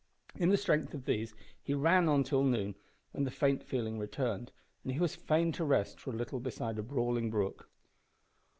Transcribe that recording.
In the strength of these he ran on till noon, when the faint feeling returned, and he was fain to rest for a little beside a brawling brook.